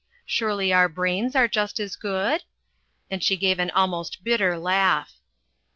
Surely our brains are just as good?" and she gave an almost bitter laugh.